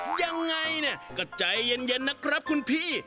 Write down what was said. ยังไงเนี่ยก็ใจเย็นนะครับคุณพี่